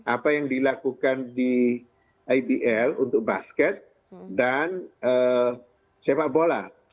apa yang dilakukan di ibl untuk basket dan sepak bola